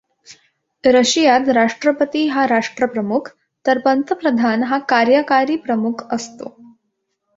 रशियात राष्ट्रपती हा राष्ट्रप्रमुख, तर पंतप्रधान हा कार्यकारी प्रमुख असतो.